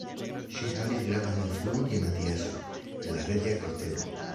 Ŝi havis gravan influon je Matiaso, je la reĝa kortego.